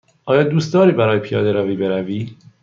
آیا دوست داری برای پیاده روی بروی؟